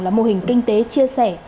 là mô hình kinh tế chia sẻ